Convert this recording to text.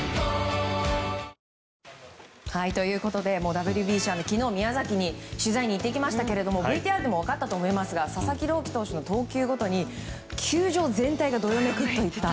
ＷＢＣは昨日、宮崎に取材に行ってきましたけれどもＶＴＲでも分かったと思いますが佐々木朗希投手の投球ごとに球場全体がどよめくといった。